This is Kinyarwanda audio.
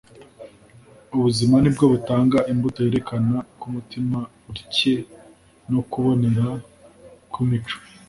Ubuzima nibwo butanga imbuto yerekana uko umutima utcye no kubonera kw'imico.